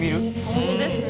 本当ですね。